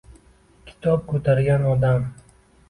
\Kitob ko‘targan odam\"ng"